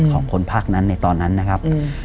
ของคนภาคนั้นในตอนนั้นนะครับ